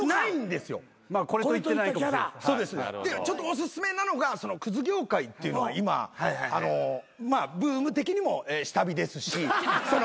おすすめなのがクズ業界っていうのは今ブーム的にも下火ですし。